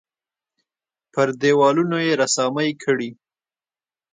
پر دېوالونو یې رسامۍ کړي.